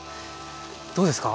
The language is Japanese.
どうですか？